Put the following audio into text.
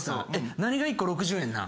何が１個６０円なん？